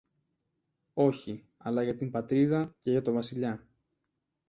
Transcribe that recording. Όχι, αλλά για την Πατρίδα και για το Βασιλιά!